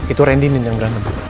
itu randy nih yang berantem